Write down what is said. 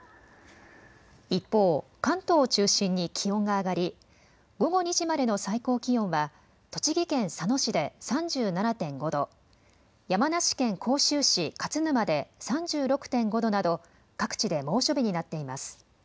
一方、関東を中心に気温が上がり、午後２時までの最高気温は栃木県佐野市で３７．５度、山梨県甲州市勝沼で３６．５度など各地で猛暑日になっています。